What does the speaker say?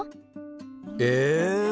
え！